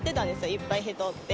いっぱい人おって。